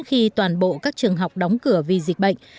khi toàn bộ các trường học đóng cửa vì dịch bệnh